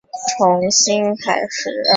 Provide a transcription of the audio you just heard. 参展团队简介